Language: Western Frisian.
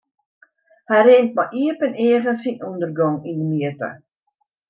Hy rint mei iepen eagen syn ûndergong yn 'e mjitte.